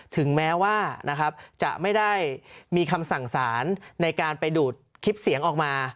ถึงแม้ว่านะครับจะไม่ได้มีคำสั่งสารในการไปดูดคลิปเสียงออกมา